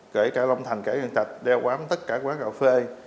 kể cả long thành cả văn chạch đeo bám tất cả quán cà phê